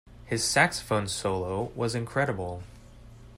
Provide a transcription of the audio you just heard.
His saxophone solo was incredible.